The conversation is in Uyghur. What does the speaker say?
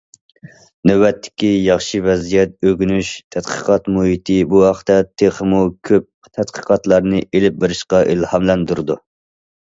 نۆۋەتتىكى ياخشى ۋەزىيەت، ئۆگىنىش، تەتقىقات مۇھىتى بۇ ھەقتە تېخىمۇ كۆپ تەتقىقاتلارنى ئېلىپ بېرىشقا ئىلھاملاندۇرىدۇ.